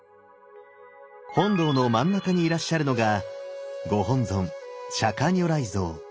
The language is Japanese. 本堂の真ん中にいらっしゃるのがご本尊釈如来像。